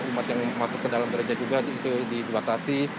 umat yang masuk ke dalam gereja juga itu dibatasi